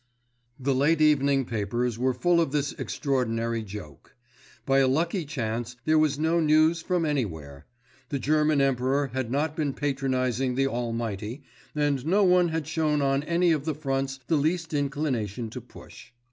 The late evening papers were full of this extraordinary "joke." By a lucky chance, there was no news from anywhere. The German Emperor had not been patronizing the Almighty, and no one had shown on any of the fronts the least inclination to push.